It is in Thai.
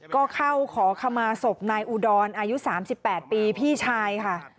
ก็เข้าขอขมาศพนายอุดรอายุ๓๘ปีพี่ชายค่ะ